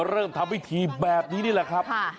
เริ่มทำพิธีแบบนี้นี่แหละครับ